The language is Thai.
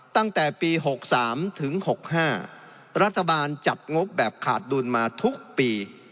ตั้งแต่ปี๖๓ถึง๖๕รัฐบาลจัดงบแบบขาดดุลมาทุกปี